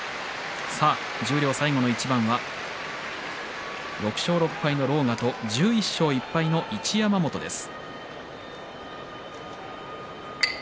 さあ、十両最後の一番は６勝６敗の狼雅と１１勝１敗の一山本です。